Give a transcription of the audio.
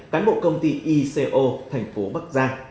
cán bộ công ty ico thành phố bắc giang